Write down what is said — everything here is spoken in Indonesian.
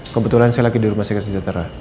kebetulan saya lagi di rumah sakit sejahtera